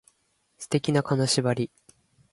素敵な金縛り